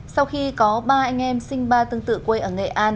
sau khi có ba anh em sinh ba tương tự quê ở nghệ an